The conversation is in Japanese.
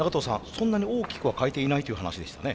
そんなに大きくは変えていないという話でしたね。